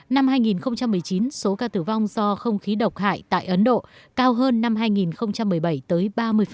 năm hai nghìn một mươi chín số ca tử vong do không khí độc hại tại ấn độ cao hơn năm hai nghìn một mươi bảy tới ba mươi